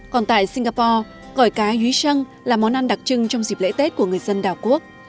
còn tại singapore gỏi cá dưới sân là món ăn đặc trưng trong dịp lễ tết của người dân đảo quốc